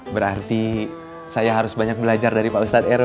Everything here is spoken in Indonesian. berarti saya harus banyak belajar dari pak ustadz ero